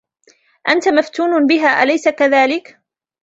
أنتَ مفتونٌ بها أليس كذلك؟